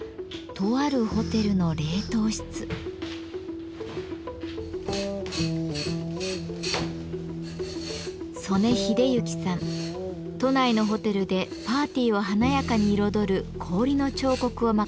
都内のホテルでパーティーを華やかに彩る氷の彫刻を任されています。